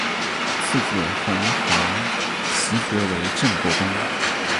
次子弘昉袭爵为镇国公。